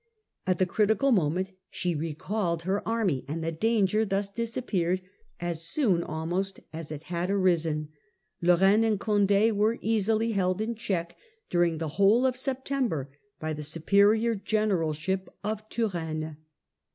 At the critical moment she recalled her army, and the danger thus disappeared as soon almost as it had arisen. Lorraine ancl Cond£ were easily held in check during the whole of September by the superior generalship of Turenne.